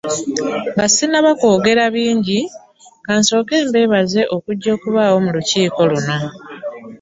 Nga sinnaba kwogera bingi ka nsooke mbeebaze okujja okubaawo mu lukiiko luno.